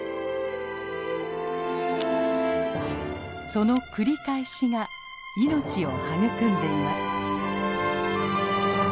その繰り返しが命を育んでいます。